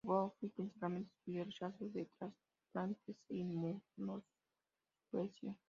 Woodruff principalmente estudió rechazos de trasplantes e inmunosupresión.